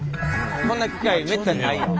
こんな機会めったにないよ。